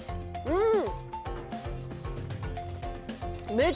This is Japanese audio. うん。